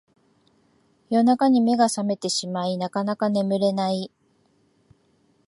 夜中に目が覚めてしまいなかなか眠れない